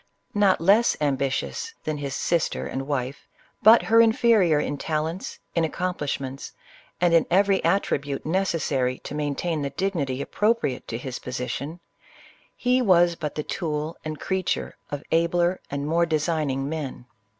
Not less ambitious than his sister and wife, but her inferior in talents, in accom plishments, and in every attribute necessary to main tain the dignity appropriate to his position, he was but the tool and creature of abler and more designing men.